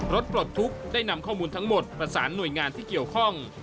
ปลดทุกข์ได้นำข้อมูลทั้งหมดประสานหน่วยงานที่เกี่ยวข้อง